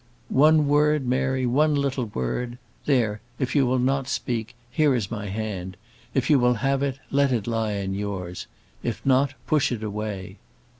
"One word, Mary; one little word. There, if you will not speak, here is my hand. If you will have it, let it lie in yours; if not, push it away."